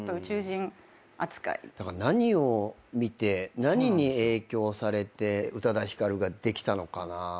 何を見て何に影響されて宇多田ヒカルができたのかなぁって。